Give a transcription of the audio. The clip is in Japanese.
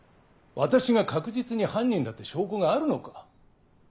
私が確実に犯人だって証拠があるのか？